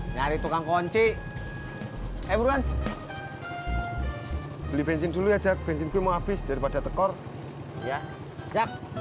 cak tarikin cak